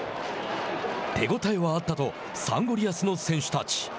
手応えはあったとサンゴリアスの選手たち。